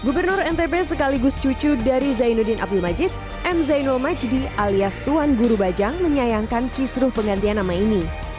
gubernur ntb sekaligus cucu dari zainuddin abdul majid m zainul majdi alias tuan guru bajang menyayangkan kisruh penggantian nama ini